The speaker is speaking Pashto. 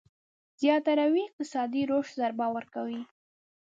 زياده روي اقتصادي رشد ضربه ورکوي.